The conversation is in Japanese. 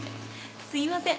すみません。